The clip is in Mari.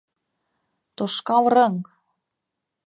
Тошкал рыҥ!..